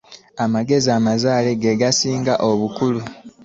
Amagezi amazaale ge gasinga obukulu.